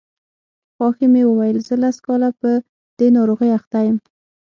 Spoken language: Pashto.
خواښې مې وویل زه لس کاله په دې ناروغۍ اخته یم.